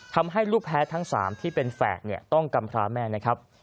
ทำให้ลูกแพ้ทั้ง๓ที่เป็นแฝดต้องกำพราแม่นะครับ